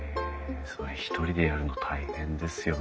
それ一人でやるの大変ですよね。